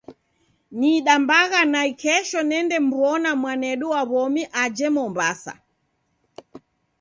Nidambagha naikesho nende mw'ona mwanedu wa w'omi aje Mwambasa.